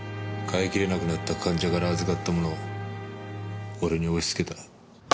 飼いきれなくなった患者から預かったものを俺に押し付けた。